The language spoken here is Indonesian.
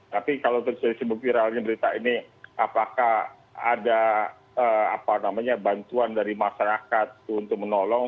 tapi kalau terjadi viralnya berita ini apakah ada bantuan dari masyarakat untuk menolong